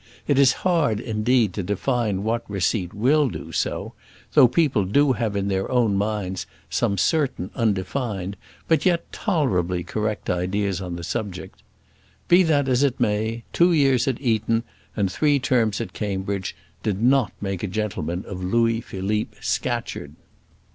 It is hard, indeed, to define what receipt will do so, though people do have in their own minds some certain undefined, but yet tolerably correct ideas on the subject. Be that as it may, two years at Eton, and three terms at Cambridge, did not make a gentleman of Louis Philippe Scatcherd.